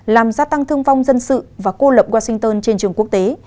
làm gia tăng thương vong dân sự và cô lập washington trên trường quốc tế